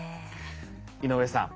井上さん